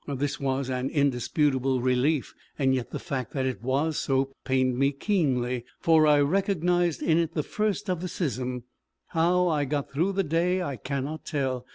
This was an indisputable relief, yet the fact that it was so, pained me keenly, for I recognized in it the first of the schism. How I got through the day, I cannot tell.